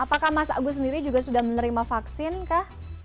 apakah mas agus sendiri juga sudah menerima vaksin kah